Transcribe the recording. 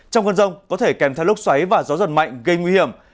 trong cơn rông có thể kèm theo lúc xoáy và gió giật mạnh gây nguy hiểm